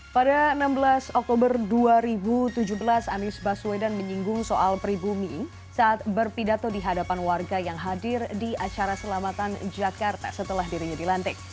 pada enam belas oktober dua ribu tujuh belas anies baswedan menyinggung soal pribumi saat berpidato di hadapan warga yang hadir di acara selamatan jakarta setelah dirinya dilantik